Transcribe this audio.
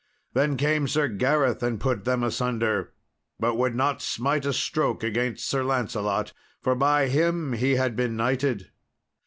Then came Sir Gareth and put them asunder, but would not smite a stroke against Sir Lancelot, for by him he had been knighted.